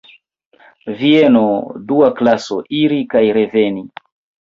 Vieno, dua klaso, iri kaj reveni.